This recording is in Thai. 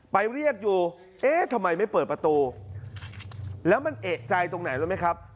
ไปเรียกอยู่เอ๊ะทำไมไม่เปิดประตูแล้วมันเอกใจตรงไหนรู้ไหมครับ